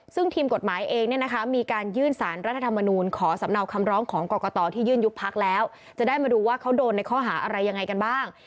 ซึ่งทีมกฎหมายเองเนี่ยนะคะมีการยื่นสารรัฐธรรมนูลขอสำเนาคำร้องของกรกตที่ยื่นยุบพักแล้วจะได้มาดูว่าเขาโดนในข้อหาอะไรยังไงกันบ้าง